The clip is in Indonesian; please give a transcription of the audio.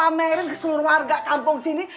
ma mau pamerin ke seluruh warga kampung sini